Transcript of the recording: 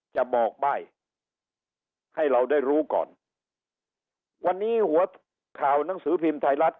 จะบอกใบ้ให้เราได้รู้ก่อนวันนี้หัวข่าวหนังสือพิมพ์ไทยรัฐ